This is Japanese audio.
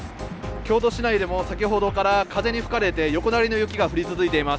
京都市内でも先ほどから風に吹かれて横殴りの雪が降り続いています。